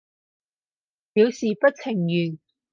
表示不情願